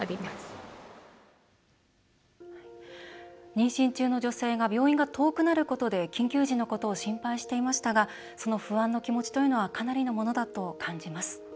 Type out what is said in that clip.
妊娠中の女性が病院が遠くなることで緊急時のことを心配していましたがその不安の気持ちというのはかなりのものだと感じます。